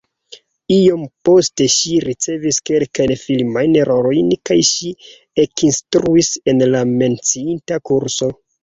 Iom poste ŝi ricevis kelkajn filmajn rolojn kaj ŝi ekinstruis en la menciita kurso.